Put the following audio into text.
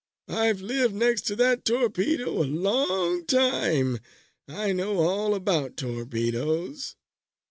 I've lived next to that torpedo a long time. I know all about torpedoes."